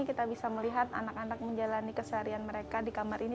kita bisa melihat anak anak menjalani keseharian mereka di kamar ini